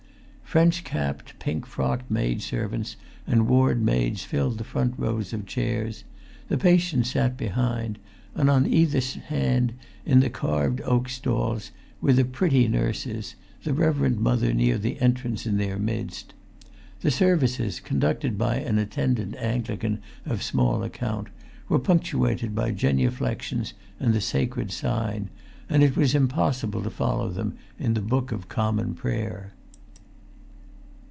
French capped, pink frocked maid servants and ward maids filled the front rows of chairs; the patients sat behind; and on either hand, in the carved oak stalls, were the pretty nurses, the Reverend Mother near the entrance in their midst. The services, conducted by an attendant Anglican of small account, were punctuated by genuflexions and the sacred sign; and it was impossible to follow them in the Book of Common Prayer.